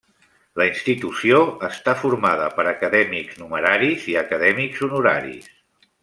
La institució està formada per acadèmics numeraris i acadèmics honoraris.